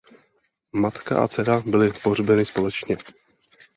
Matka a dcera byly pohřbeny společně.